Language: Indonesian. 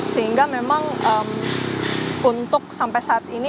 sehingga memang untuk sampai saat ini